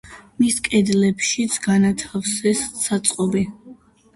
მის კედლებში განათავსეს საწყობი.